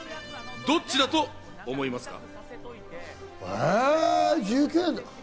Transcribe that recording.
どっちだと思いますか？